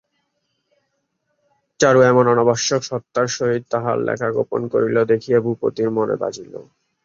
চারু এমন অনাবশ্যক সত্বরতার সহিত তাহার লেখা গোপন করিল দেখিয়া ভূপতির মনে বাজিল।